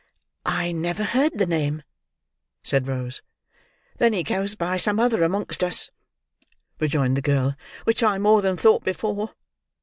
"I never heard the name," said Rose. "Then he goes by some other amongst us," rejoined the girl, "which I more than thought before.